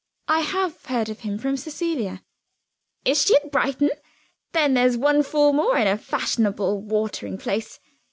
"I have heard of him from Cecilia." "Is she at Brighton? Then there's one fool more in a fashionable watering place.